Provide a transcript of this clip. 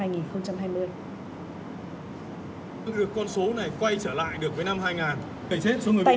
tại ngày hội đồng chí quốc viện rủng phó chủ tịch chuyên trách